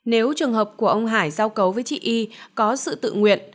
nếu trường hợp của ông hải giao cấu với chị y có sự tự nguyện